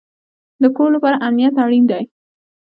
د کور لپاره امنیت اړین دی